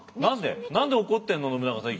何で怒ってんの信長さん